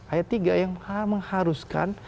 ayat tiga yang mengharuskan